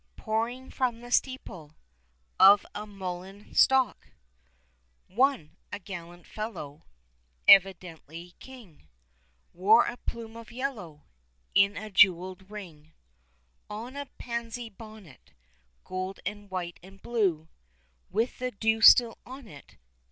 Pouring from the steeple Of a mullein stalk. One — a gallant fellow — Evidently king, — Wore a plume of yellow In a jewelled ring On a pansy bonnet. Gold and white and blue, With the dew still on it.